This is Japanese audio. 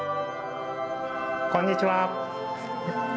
こんにちは。